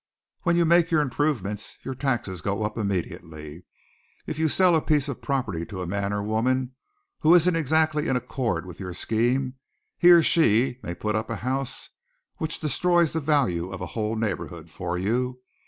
When you make your improvements your taxes go up immediately. If you sell a piece of property to a man or woman who isn't exactly in accord with your scheme, he or she may put up a house which destroys the value of a whole neighborhood for you.